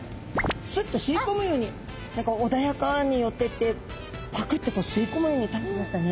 スッと吸い込むように何か穏やかに寄っていってパクッとこう吸い込むように食べましたね。